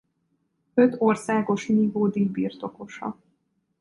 Öt országos nívódíj birtokosa.